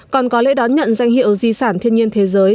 còn có lễ đón nhận danh hiệu di sản thiên nhiên thế giới